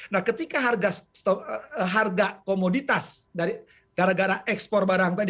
nah ketika harga komoditas dari gara gara ekspor barang tadi